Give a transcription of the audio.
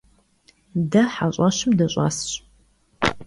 De heş'eşım dış'esş.